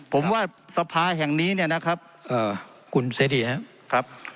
ผมว่าสภาแห่งนี้เนี่ยนะครับคุณเสรีครับ